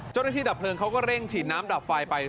เจ้าหน้าที่ดับเฟลงเขาก็เร่งฉีดน้ำดับไฟไป